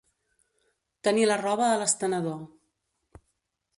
Tenir la roba a l'estenedor.